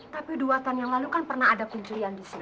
tapi dua tahun yang lalu kan pernah ada pencurian di sini